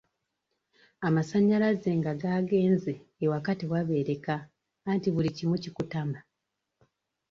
Amasannyalanze nga gaagenze ewaka tewabeereka anti buli kimu kikutama.